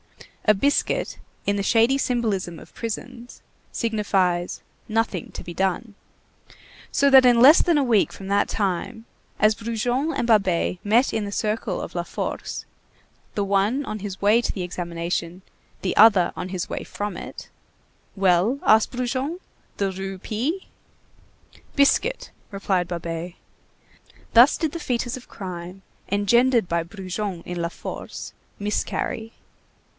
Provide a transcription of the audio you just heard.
A biscuit, in the shady symbolism of prisons, signifies: Nothing to be done. So that in less than a week from that time, as Brujon and Babet met in the circle of La Force, the one on his way to the examination, the other on his way from it:— "Well?" asked Brujon, "the Rue P.?" "Biscuit," replied Babet. Thus did the fœtus of crime engendered by Brujon in La Force miscarry.